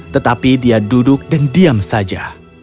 tetapi dia duduk dan diam saja